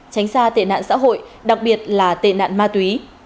tránh xa tệ nạn xã hội đặc biệt là tệ nạn ma túy